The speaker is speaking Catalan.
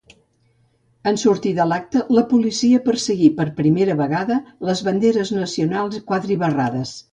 En sortir de l'acte, la policia perseguí, per primera vegada, les banderes nacionals quadribarrades.